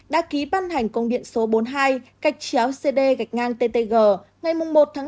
đã ký ban hành công điện số bốn mươi hai gạch chéo cd gạch ngang ttg